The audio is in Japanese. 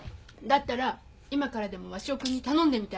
だったら今からでも鷲尾君に頼んでみたら？